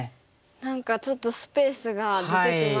何かちょっとスペースが出てきましたね。